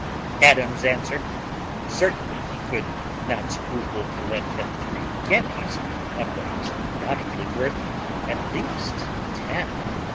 Adams answered, "Certainly he would not scruple to lend him three guineas on what was undoubtedly worth at least ten."